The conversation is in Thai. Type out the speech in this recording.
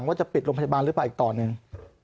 ว่าจะปิดโรงพยาบาลหรือเปล่าอีกต่อหนึ่ง